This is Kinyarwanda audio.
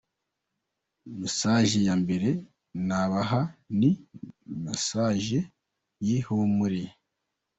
“Message ya mbere nabaha, ni message y’ihumure.